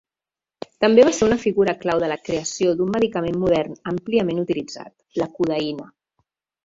També va ser una figura clau de la creació d'un medicament modern àmpliament utilitzat, la codeïna.